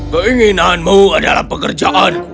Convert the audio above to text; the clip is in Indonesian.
keinginanmu adalah pekerjaan